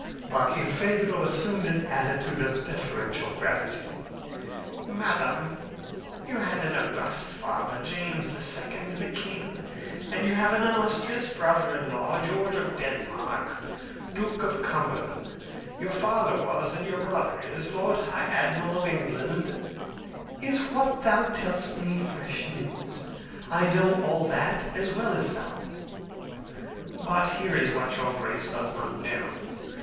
Barkilphedro assumed an attitude of deferential gravity. "Madam, you had an august father, James II., the king, and you have an illustrious brother in law, George of Denmark, Duke of Cumberland; your father was, and your brother is, Lord High Admiral of England " "Is what thou tellest me fresh news? I know all that as well as thou." "But here is what your Grace does not know.